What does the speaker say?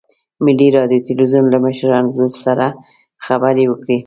ملي راډیو تلویزیون له مشر انځور سره خبرې وکړې.